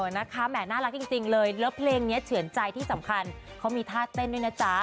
นะคะแหมน่ารักจริงเลยแล้วเพลงนี้เฉือนใจที่สำคัญเขามีท่าเต้นด้วยนะจ๊ะ